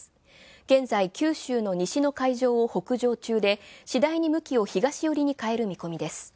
現在九州の西の海上を北上中で、しだいに向きを東寄りに変える見込みです。